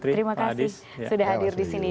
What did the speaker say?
terima kasih sudah hadir disini